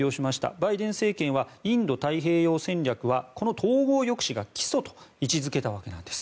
バイデン政権はインド太平洋戦略はこの統合抑止が基礎と位置付けたわけなんです。